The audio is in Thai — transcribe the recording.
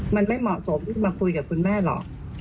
มันไม่เหมาะสมที่จะมาคุยกับคุณแม่หรอก